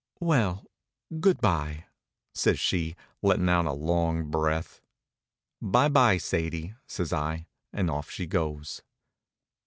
"Well, good by," says she, lettin' out a long breath. "By by, Sadie," says I, and off she goes.